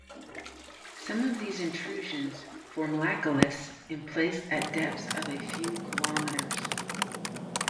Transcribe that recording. Some of these intrusions form laccoliths emplaced at depths of a few kilometers.